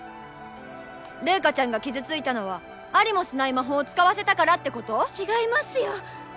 レイカちゃんが傷ついたのはありもしない魔法を使わせたからってこと⁉違いますよ！